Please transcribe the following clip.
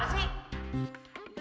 gak ada lu